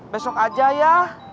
besok aja ya